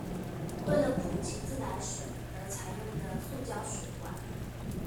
為了普及自來水而採用的塑膠水管